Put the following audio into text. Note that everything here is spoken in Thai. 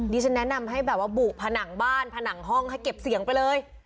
ฉันแนะนำให้แบบว่าบุผนังบ้านผนังห้องให้เก็บเสียงไปเลย